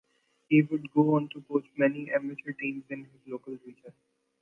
He would go on to coach many amateur teams in his local region.